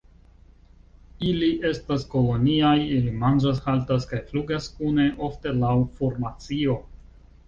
Ili estas koloniaj; ili manĝas, haltas kaj flugas kune, ofte laŭ formacio.